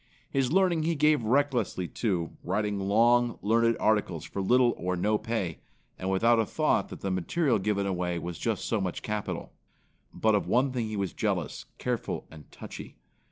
His learning he gave recklessly, too, writing long, learned articles for little or no pay, and without a thought that the material given away was just so much capital. But of one thing he was jealous, careful and touchy.